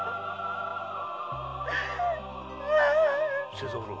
清三郎